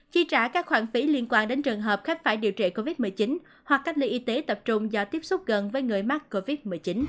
khi trả các khoản phí liên quan đến trường hợp khách phải điều trị covid một mươi chín hoặc cách ly y tế tập trung do tiếp xúc gần với người mắc covid một mươi chín